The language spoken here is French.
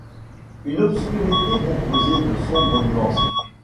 Une obscurité composée de sombres nuances.